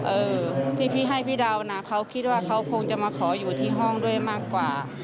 เออที่พี่ให้พี่ดาวนะเขาคิดว่าเขาคงจะมาขออยู่ที่ห้องด้วยมากกว่า